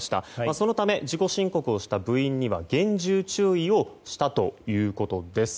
そのため自己申告をした部員には厳重注意をしたということです。